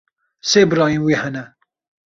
Sê birayên wê hene.